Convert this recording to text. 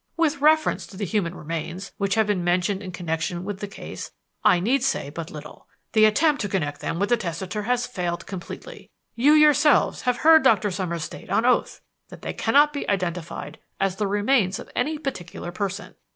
"With reference to the human remains which have been mentioned in connection with the case I need say but little. The attempt to connect them with the testator has failed completely. You yourselves have heard Doctor Summers state on oath that they cannot be identified as the remains of any particular person.